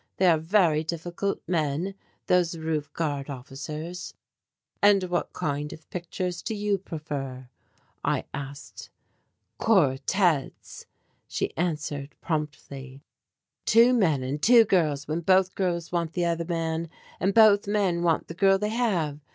They are very difficult men, those roof guard officers." "And what kind of pictures do you prefer?" I asked. "Quartettes," she answered promptly. "Two men and two girls when both girls want the other man, and both men want the girl they have.